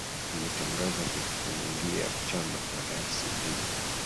ametangaza kukifungia chama cha rcd